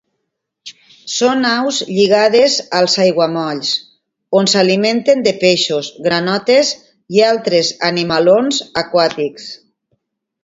Són aus lligades als aiguamolls, on s'alimenten de peixos, granotes i altres animalons aquàtics.